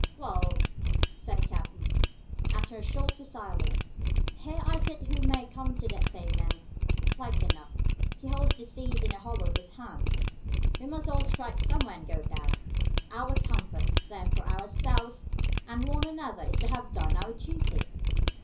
"Wa'al!" said the captain, after a shorter silence, "Here I sit who may come to the same end, like enough. He holds the seas in the hollow of His hand. We must all strike somewhere and go down. Our comfort, then, for ourselves and one another is to have done our duty.